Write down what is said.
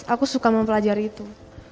aku suka mempelajari itu